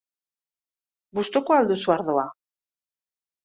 Gustuko al duzu ardoa?